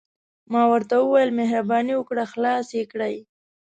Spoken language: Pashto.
ما ورته وویل: مهرباني وکړه، خلاص يې کړئ.